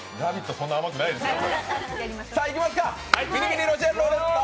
そんな甘くないですから。